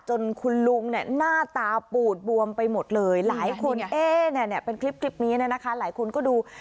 จนคุณลุงเนี่ยหน้าตาปูดบวมไปหมดเลยหลายคนเป็นคลิปนี้เนี่ยนะคะหลายคนก็ดู